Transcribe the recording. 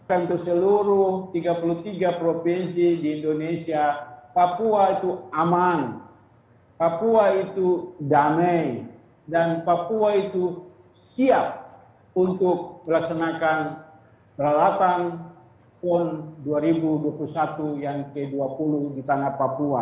tentu seluruh tiga puluh tiga provinsi di indonesia papua itu aman papua itu damai dan papua itu siap untuk melaksanakan peralatan pon dua ribu dua puluh satu yang ke dua puluh di tanah papua